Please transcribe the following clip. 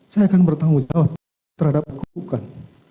saya akan bertanggung jawab terhadap apa yang saya lakukan